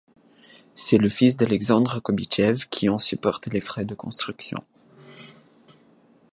C'est le fils d'Alexandre Kobychev qui en supporte les frais de construction.